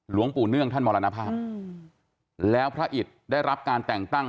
หลวงปู่เนื่องท่านมรณภาพแล้วพระอิตได้รับการแต่งตั้ง